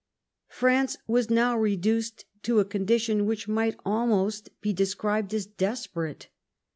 France was now reduced to a condition which might almost be described as desperate.